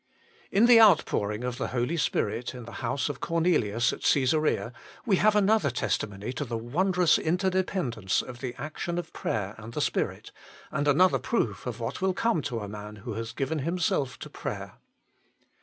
In the outpouring of the Holy Spirit, in the house of Cornelius at Csesarea, we have another testimony to the wondrous interdependence of the action of prayer and the Spirit, and another proof of what will come to a man who has given himself to prayer.